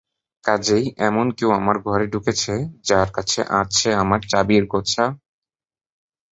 কাজেই এমন কেউ আমার ঘরে ঢুকেছে যার কাছে আছে চাবির গোছা।